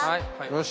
よし！